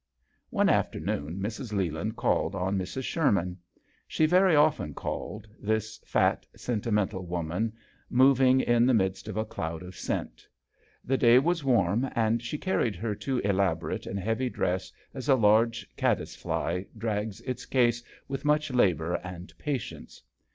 afternoon Mrs. Le land called on Mrs. Sherman. She very often called this fat, sentimental woman, moving in the midst of a cloud of scent. The day was warm, and she carried her too elaborate and heavy dress as a large caddis fly drags its case with much labour and patience.